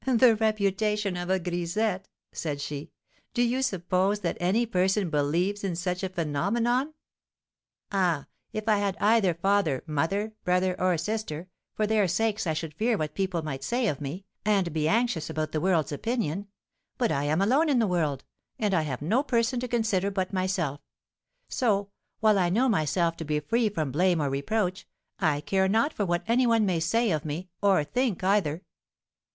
"The reputation of a grisette!" said she. "Do you suppose that any person believes in such a phenomenon? Ah, if I had either father, mother, brother, or sister, for their sakes I should fear what people might say of me, and be anxious about the world's opinion; but I am alone in the world, and have no person to consider but myself, so, while I know myself to be free from blame or reproach, I care not for what any one may say of me, or think either."